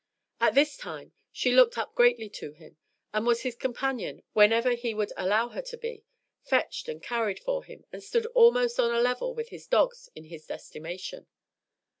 At this time she looked up greatly to him, and was his companion whenever he would allow her to be, fetched and carried for him, and stood almost on a level with his dogs in his estimation.